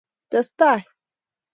tes tai